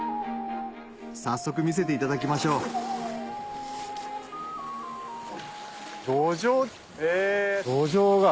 早速見せていただきましょうどじょう？えどじょうが。